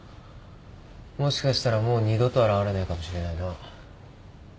もしかしたらもう二度と現れないかもしれないな。